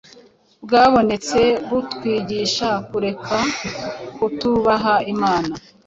bwabonetse, butwigisha kureka kutubaha Imana,